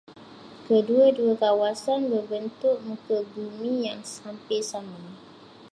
Kedua-dua kawasan berbentuk muka bumi yang hampir sama.